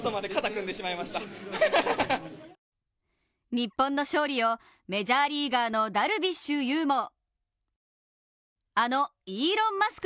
日本の勝利をメジャーリーガーのダルビッシュ有もあのイーロン・マスク